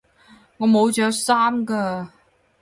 我冇着衫㗎